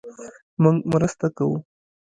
مونږ مرسته کوو